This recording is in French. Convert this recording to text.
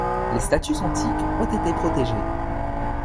Les statues antiques ont été protégées.